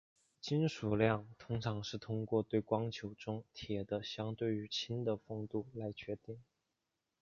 金属量通常是通过对光球中铁的相对于氢的丰度来决定。